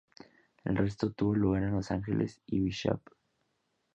El resto tuvo lugar en Los Ángeles y Bishop.